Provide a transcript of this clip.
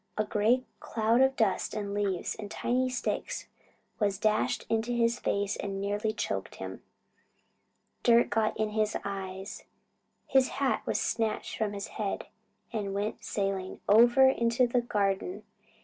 A great cloud of dust and leaves and tiny sticks was dashed in his face and nearly choked him. Dirt got in his eyes. His hat was snatched from his head and went sailing over into the garden.